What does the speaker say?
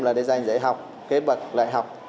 là để dành dạy học kế bật lạy học